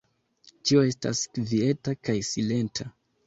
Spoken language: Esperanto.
Ĉio estas kvieta kaj silenta.